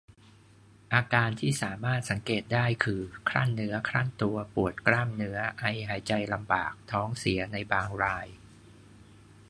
อาการที่สามารถสังเกตได้คือ ครั่นเนื้อครั่นตัว ปวดกล้ามเนื้อ ไอ หายใจลำบาก ท้องเสีย ในบางราย